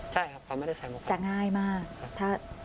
ใช่ครับเขาไม่ได้ใส่หมวกกระนอม